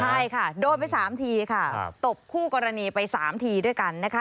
ใช่ค่ะโดนไป๓ทีค่ะตบคู่กรณีไป๓ทีด้วยกันนะคะ